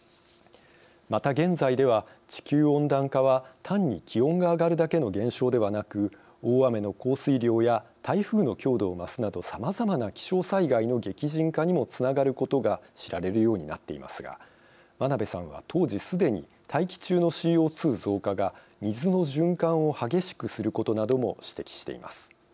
また現在では地球温暖化は単に気温が上がるだけの現象ではなく大雨の降水量や台風の強度を増すなどさまざまな気象災害の激甚化にもつながることが知られるようになっていますが真鍋さんは当時既に大気中のＣＯ増加が水の循環を激しくすることなども指摘しています。